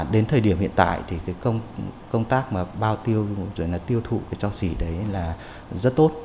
đến thời điểm hiện tại thì công tác bao tiêu tiêu thụ cho xỉ đấy là rất tốt